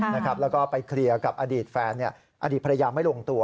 แล้วก็ไปเคลียร์กับอดีตแฟนอดีตภรรยาไม่ลงตัว